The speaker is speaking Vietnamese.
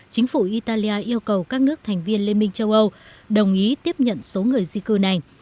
chính phủ italia yêu cầu các nước thành viên liên minh châu âu đồng ý tiếp nhận số người di cư này